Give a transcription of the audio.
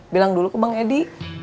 bilang dulu ke bang edi